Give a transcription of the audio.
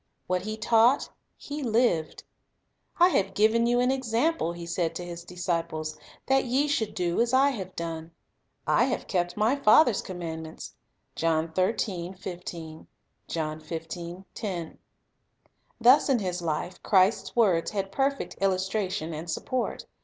What He taught, He lived. " I have given you an example," He said to His disciples ; "that ye should do as I have done." "I have kept My Father's command ments." * Thus in His life, Christ's words had perfect illustration and support.